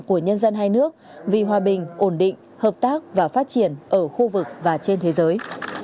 của nhân dân hai nước vì hòa bình ổn định hợp tác và phát triển ở khu vực và trên thế giới